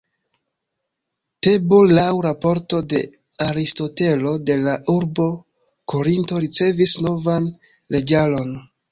Tebo laŭ raporto de Aristotelo de la urbo Korinto ricevis novan leĝaron.